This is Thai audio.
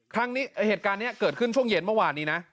เหตุการณ์นี้เหตุการณ์นี้เกิดขึ้นช่วงเย็นเมื่อวานนี้นะ